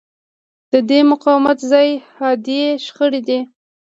د دې مقاومت ځای حادې شخړې دي.